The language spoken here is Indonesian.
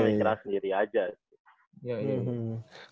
mungkin keras sendiri aja